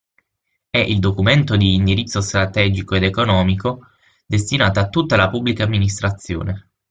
È il documento di indirizzo strategico ed economico destinato a tutta la Pubblica Amministrazione.